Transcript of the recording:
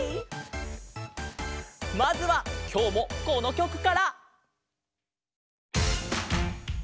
まずはきょうもこのきょくから！